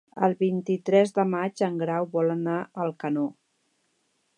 El vint-i-tres de maig en Grau vol anar a Alcanó.